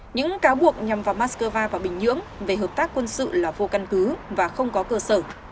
những cáo buộc nhằm vào moscow và bình nhưỡng về hợp tác quân sự là vô căn cứ và không có cơ sở